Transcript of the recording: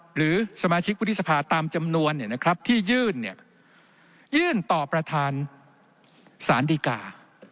หรือสมาชิกวุฒิสภาตามจำนวนที่ยื่นยื่นต่อประธานสารดีกา